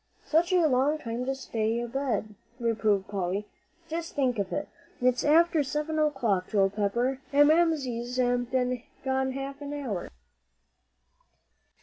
"Such a long time to stay abed," reproved Polly; "just think of it, it's after seven o'clock, Joel Pepper, and Mamsie's been gone half an hour!"